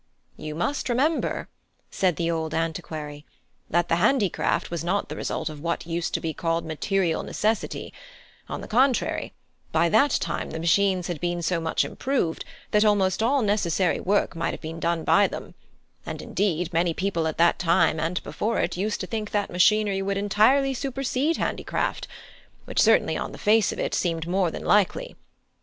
"You must remember," said the old antiquary, "that the handicraft was not the result of what used to be called material necessity: on the contrary, by that time the machines had been so much improved that almost all necessary work might have been done by them: and indeed many people at that time, and before it, used to think that machinery would entirely supersede handicraft; which certainly, on the face of it, seemed more than likely.